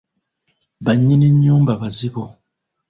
Bannyini nnyumba bazibu.